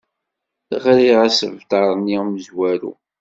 Ɣriɣ asebter-nni amezwaru.